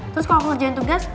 terus kalo aku ngerjain tugas